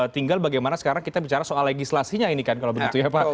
tinggal bagaimana sekarang kita bicara soal legislasinya ini kan kalau begitu ya pak